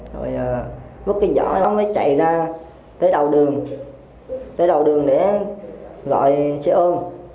và bất kỳ dõi ông ấy chạy ra tới đầu đường để gọi xe ôm